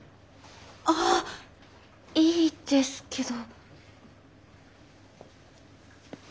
ああいいですけど。